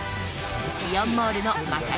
イオンモールの正夢